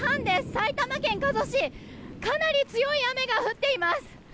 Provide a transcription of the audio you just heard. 埼玉県加須市かなり強い雨が降っています。